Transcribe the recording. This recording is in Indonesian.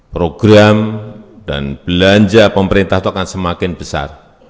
program dan belanja pemerintah itu akan semakin besar